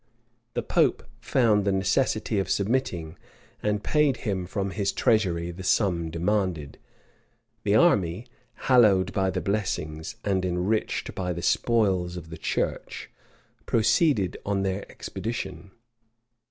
The pope found the necessity of submitting, and paid him from his treasury the sum demanded.[*] The army, hallowed by the blessings, and enriched by the spoils, of the church, proceeded on their expedition.